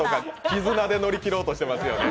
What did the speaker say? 絆で乗り切ろうとしてますよね。